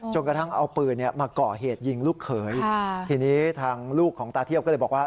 กระทั่งเอาปืนมาก่อเหตุยิงลูกเขยทีนี้ทางลูกของตาเทียบก็เลยบอกว่า